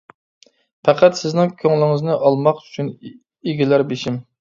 پەقەت، سىزنىڭ كۆڭلىڭىزنى ئالماق ئۈچۈن ئىگىلەر بېشىم.